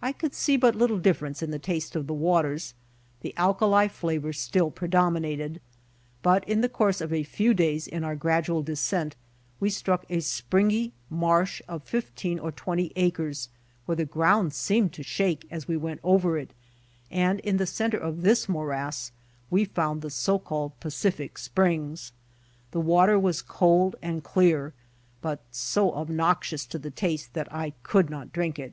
I could see but little dif ference in the taste of the waters, the alkali flavor still predominated. In the course of a few days in our gradual descent we struck a springy marsh of tifteen or twenty acres where the ground seemed to shake as we went over it, and in the center of this morass we found the so called Pacific springs. The water was cold and clear, but so obnoxious to the taste that I could not drink it.